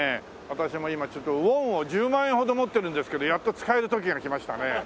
私も今ちょっとウォンを１０万円ほど持ってるんですけどやっと使える時が来ましたね。